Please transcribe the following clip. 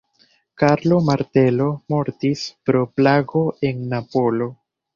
Karlo Martelo mortis pro plago en Napolo.